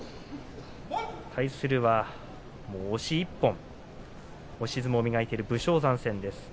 対するは押し１本押し相撲を磨いている武将山戦です。